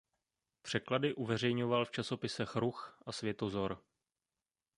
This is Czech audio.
Překlady uveřejňoval v časopisech "Ruch" a "Světozor".